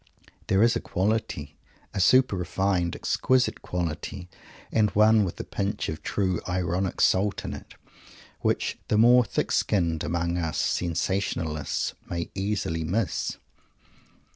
There is a quality, a super refined, exquisite quality, and one with a pinch of true ironic salt in it, which the more thick skinned among us sensationalists may easily miss.